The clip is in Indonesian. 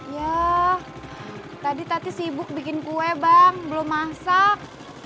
ya tadi tati sibuk bikin kue bang belum masak